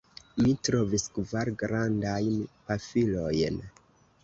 Mi trovis kvar grandajn pafilojn.